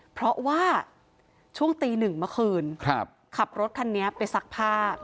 เพราะว่าช่วงตีหนึ่งเมื่อคืนขับรถคันนี้ไปซักผ้า